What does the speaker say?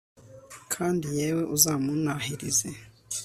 kandi yewe uzamuntahirize